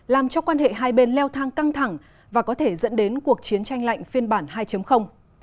làm cho quan hệ hai bên leo thang căng thẳng và có thể dẫn đến cuộc chiến tranh lạnh phiên bản hai